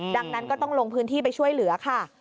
ดังนั้นก็ต้องลงพื้นที่ไปช่วยเหลือค่ะ